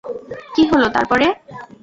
কী হল তার পরে?